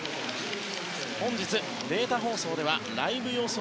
本日、データ放送ではライブ予想